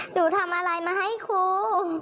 หนูทำอะไรมาให้ครู